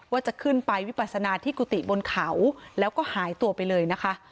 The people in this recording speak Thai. ว่าจะขึ้นไปวิปัสนาที่กุฏิบนเขาแล้วก็หายตัวไปเลยนะคะ